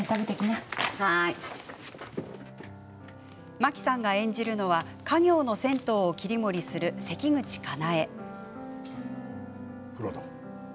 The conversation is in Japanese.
真木さんが演じるのは家業の銭湯を切り盛りする関口かなえ。